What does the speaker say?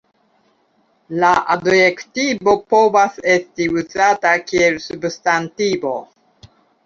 La adjektivo povas esti uzata kiel substantivo.